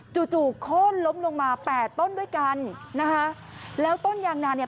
จู่โค้นล้มลงมาแปดต้นด้วยกันนะคะแล้วต้นยางนาเนี่ย